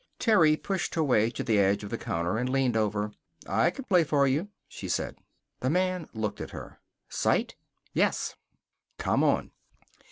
Terry pushed her way to the edge of the counter and leaned over. "I can play for you," she said. The man looked at her. "Sight?" "Yes." "Come on."